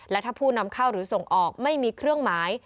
และถ้าผู้นำเข้าหรือส่งออกไม่มีเครื่องหมาย